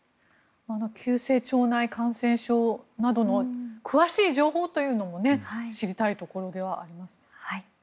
急性腸内感染症などの詳しい情報というのも知りたいところではあります。